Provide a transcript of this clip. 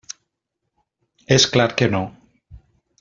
És clar que no.